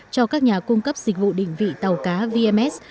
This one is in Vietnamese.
cho các nhà cung cấp dịch vụ định vị tàu cá vms